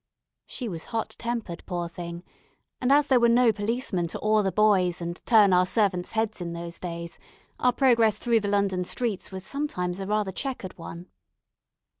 She was hot tempered, poor thing! and as there were no policemen to awe the boys and turn our servants' heads in those days, our progress through the London streets was sometimes a rather chequered one.